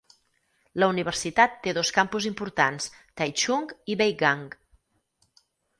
La universitat té dos campus importants, Taichung i Beigang.